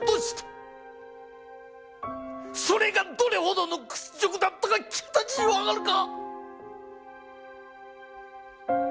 それがどれほどの屈辱だったか君たちにわかるか！